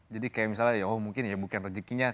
jadi kayak misalnya ya mungkin ya bukan rezekinya